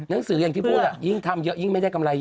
หนังสืออย่างที่พูดยิ่งทำเยอะยิ่งไม่ได้กำไรเยอะ